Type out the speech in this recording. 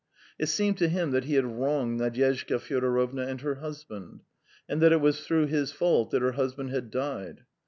It seemed to him that he had wronged Nadyezhda Fyodorovna and her husband, and that it was through his fault that her husband had died.